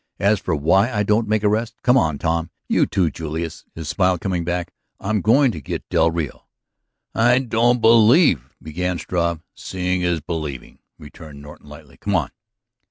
As for why I don't make an arrest ... Come on, Tom. You, too, Julius," his smile coming back. "I'm going to get del Rio." "I don't believe ..." began Struve. "Seeing is believing," returned Norton lightly. "Come on."